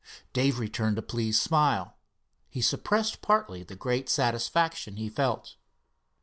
Dave returned a pleased smile. He suppressed partly the great satisfaction he felt.